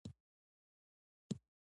زه هم یو څه وبېرېدم.